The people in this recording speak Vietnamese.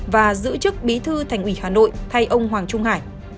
và giữ chức bí thư thành ủy hà nội thay ông hoàng trung hải